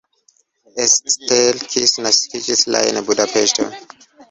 Eszter Kiss naskiĝis la en Budapeŝto.